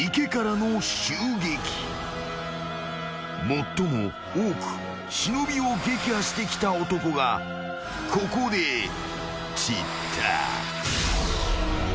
［最も多く忍を撃破してきた男がここで散った］